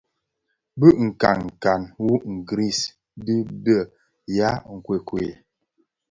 Bi nkankan wu ngris dhi be ya nkuekuel.